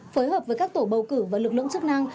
phối hợp với các tổ bầu cử và lực lượng chức năng